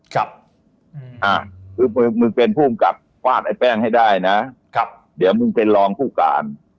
คือมึงเป็นผู้อำกับฟาดไอ้แป้งให้ได้นะครับเดี๋ยวมึงเป็นรองผู้การ